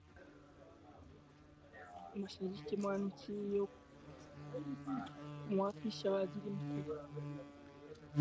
mashariki mwa nchi hiyo kumwapisha Waziri Mkuu